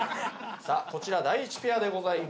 さあこちら第１ペアでございます。